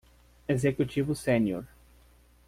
Executivo sênior